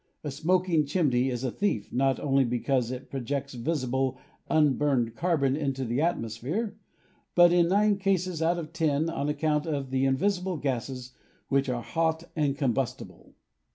A smoking chimney is a thief, not only because it projects visible unburned carbon into the atmosphere, but in nine cases out of ten on account of the invisible gases which are hot and combustible.